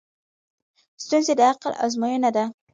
ستونزې د عقل ازموینه ده.